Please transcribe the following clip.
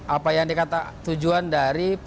apa yang dikatakan tujuan dari